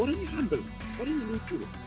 orangnya humble orangnya lucu loh